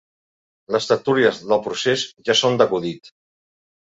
Les tertúlies del procés ja són d’acudit.